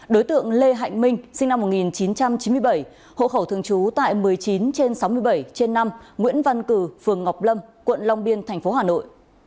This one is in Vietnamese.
đối tượng lê hạnh minh sinh năm một nghìn chín trăm chín mươi bảy hộ khẩu thường trú tại một mươi chín trên sáu mươi bảy trên năm nguyễn văn cử phường ngọc lâm quận long biên tp hà nội